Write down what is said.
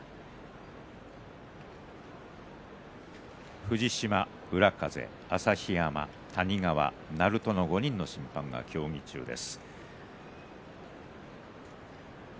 藤島と浦風で朝日山谷川、鳴戸の５人の審判が協議中です。